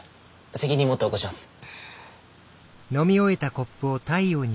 責任持って起こします。